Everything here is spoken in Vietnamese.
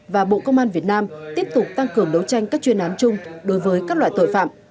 và bộ công an việt nam tiếp tục tăng cường đấu tranh các chuyên án chung đối với các loại tội phạm